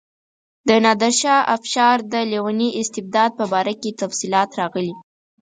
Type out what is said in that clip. د نادرشاه افشار د لیوني استبداد په باره کې تفصیلات راغلي.